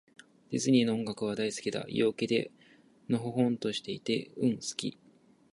ディズニーの音楽は、大好きだ。陽気で、のほほんとしていて。うん、好き。